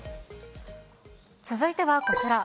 続いてはこちら。